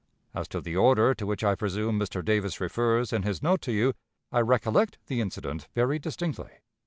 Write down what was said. "As to the order, to which I presume Mr. Davis refers in his note to you, I recollect the incident very distinctly.